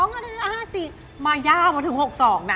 ๕๐๕๒ก็เลย๕๔มาย่ามาถึง๖๒นะ